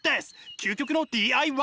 究極のＤＩＹ！